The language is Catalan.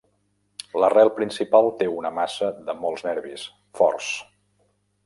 L'arrel principal té una massa de molts nervis, forts.